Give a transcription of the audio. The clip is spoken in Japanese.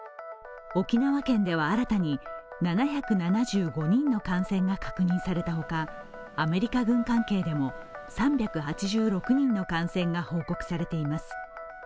沖縄県では新たに７７５人の感染が確認された他、アメリカ軍関係でも３８６人の感染が報告されています。